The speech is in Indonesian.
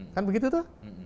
kan begitu tuh